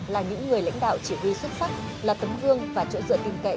là những người lãnh đạo chỉ huy xuất sắc là tấm gương và trợ sợ kinh cậy